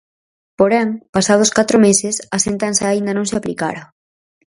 Porén, pasados catro meses a sentenza aínda non se aplicara.